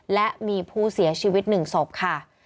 และมีผู้เสียชีวิต๑ศพค่ะ